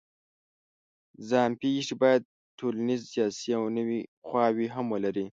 ځان پېښې باید ټولنیز، سیاسي او نورې خواوې هم ولري.